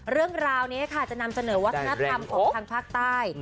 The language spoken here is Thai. เรื่องราวนี้ค่ะจะนำเสนอวัฒนธรรมของทางภาคใต้